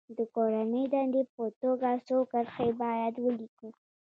د کورنۍ دندې په توګه څو کرښې باید ولیکي.